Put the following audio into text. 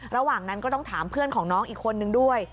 ระหว่างนั้นก็ต้องถามเพื่อนของน้องอีกคนนึงด้วย